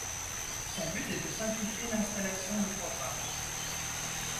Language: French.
Son but est de simplifier l'installation de programme.